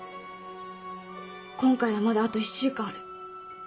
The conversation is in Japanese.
今回はまだあと１週間ある。